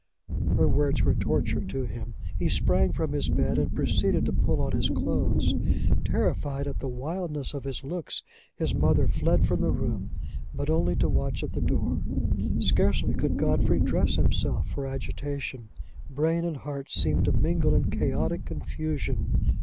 Her words were torture to him. He sprang from his bed, and proceeded to pull on his clothes. Terrified at the wildness of his looks, his mother fled from the room, but only to watch at the door. Scarcely could Godfrey dress himself for agitation; brain and heart seemed to mingle in chaotic confusion.